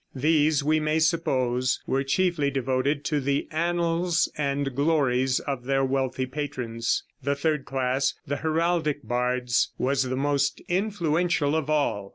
These we may suppose were chiefly devoted to the annals and glories of their wealthy patrons. The third class, the heraldic bards, was the most influential of all.